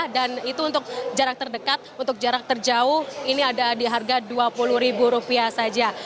dan itu untuk jarak terdekat untuk jarak terjauh ini ada di harga rp dua puluh saja